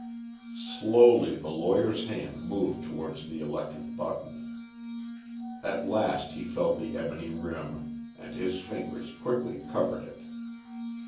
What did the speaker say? Slowly the lawyer's hand moved towards the electric button. At last he felt the ebony rim and his fingers quickly covered it.